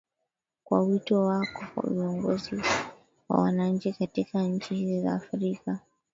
kwa wito wako kwa viongozi na wananchi katika nchi hizi za afrika